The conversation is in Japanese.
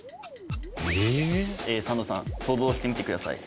サンドさん想像してみてください。